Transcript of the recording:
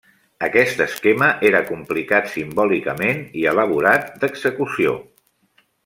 Aquest esquema era complicat simbòlicament i elaborat d'execució.